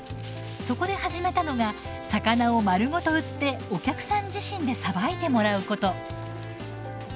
そこで始めたのが魚を丸ごと売ってお客さん自身でさばいてもらうこと。